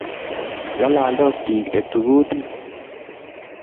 Ngalaldos bik, etu kutit